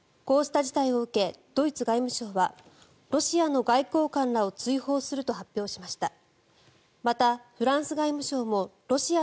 こうした事態を受けドイツ外務省はロシアの外交官らを追放すると発表しました。